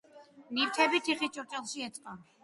ნივთები თიხის ჭურჭელში ეწყო.